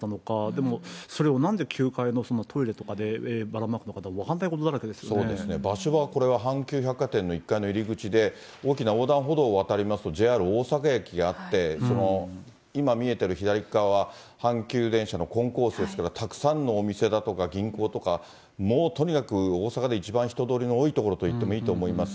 でも、それをなんで９階のトイレとかでばらまくのか、場所はこれは阪急百貨店の１階の入り口で、大きな横断歩道を渡りますと、ＪＲ大阪駅があって、今見えてる左っ側は阪急電車のコンコースですから、たくさんのお店だとか銀行とか、もうとにかく、大阪で一番人通りの多い所といっていいと思います。